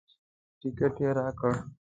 ټکټ یې راکړ.